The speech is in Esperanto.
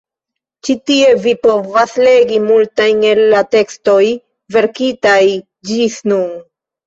Ĉi tie vi povas legi multajn el la tekstoj verkitaj ĝis nun.